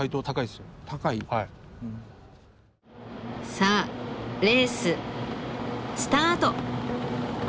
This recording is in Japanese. さあレーススタート！